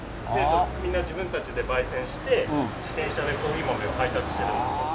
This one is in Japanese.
みんな自分たちで焙煎して自転車でコーヒー豆を配達してるんです。